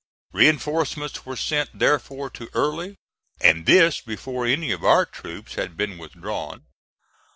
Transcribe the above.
Reinforcements were sent therefore to Early, and this before any of our troops had been withdrawn.